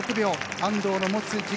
安藤の持つ自己